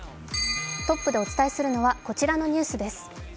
トップでお伝えするのはこちらのニュースです。